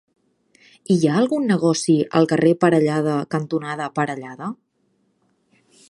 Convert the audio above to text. Hi ha algun negoci al carrer Parellada cantonada Parellada?